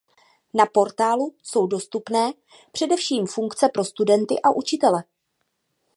Na portálu jsou dostupné především funkce pro studenty a učitele.